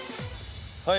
はい。